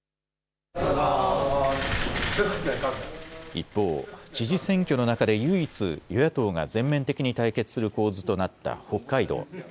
一方、知事選挙の中で唯一、与野党が全面的に対決する構図となった北海道。